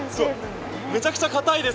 めちゃくちゃ固いです。